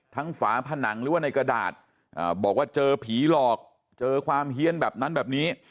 ฝาผนังหรือว่าในกระดาษบอกว่าเจอผีหลอกเจอความเฮียนแบบนั้นแบบนี้